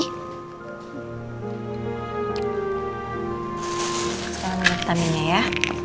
sekarang kita minum ya